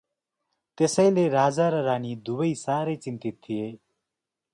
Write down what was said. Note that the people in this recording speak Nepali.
त्यसैले राजा र रानी दुवै सारै चिन्तित थिए ।